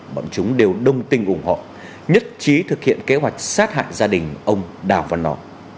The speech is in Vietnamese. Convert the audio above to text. bọn chúng đều đông tin cùng họ nhất trí thực hiện kế hoạch sát hại gia đình ông đào văn nó